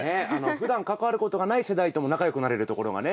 ふだん関わることがない世代とも仲良くなれるところがね。